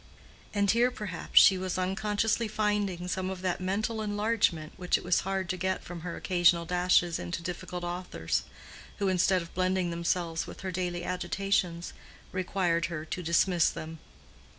And here perhaps she was unconsciously finding some of that mental enlargement which it was hard to get from her occasional dashes into difficult authors, who instead of blending themselves with her daily agitations required her to dismiss them.